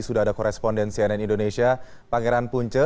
sudah ada koresponden cnn indonesia pangeran punce